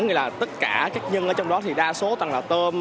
có nghĩa là tất cả các nhân ở trong đó thì đa số toàn là tôm